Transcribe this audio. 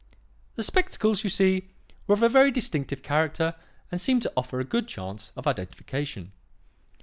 "The spectacles, you see, were of a very distinctive character and seemed to offer a good chance of identification.